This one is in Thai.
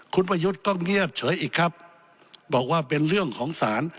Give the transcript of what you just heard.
คุณประยุทธ์ก็เงียบเฉยอีกครับบอกว่าเป็นเรื่องของศาล